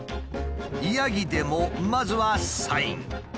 ヤギでもまずはサイン。